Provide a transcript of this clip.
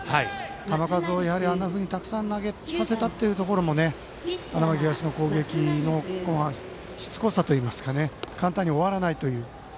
球数をたくさん投げさせたところも花巻東の攻撃のしつこさというか簡単に終わらないという。